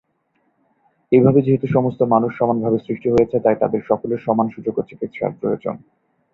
এভাবে, যেহেতু সমস্ত মানুষ সমানভাবে সৃষ্টি হয়েছে, তাই তাদের সকলের সমান সুযোগ ও চিকিৎসার প্রয়োজন।